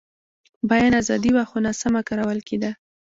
بیان ازادي وه، خو ناسمه کارول کېده.